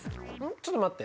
ちょっと待って。